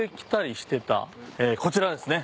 こちらですね。